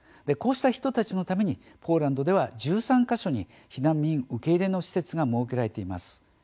こうした人たちのためにポーランドでは１３か所に避難民受け入れの施設が設けられています。